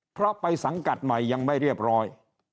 เพราะไปสังกัดใหม่ยังไม่เรียบร้อย